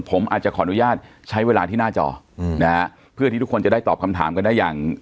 ผมอาจจะขออนุญาตใช้เวลาที่หน้าจออืมนะฮะเพื่อที่ทุกคนจะได้ตอบคำถามกันได้อย่าง